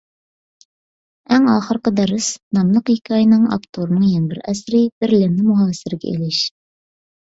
«ئەڭ ئاخىرقى دەرس» ناملىق ھېكايىنىڭ ئاپتورىنىڭ يەنە بىر ئەسىرى — «بېرلىننى مۇھاسىرىگە ئېلىش».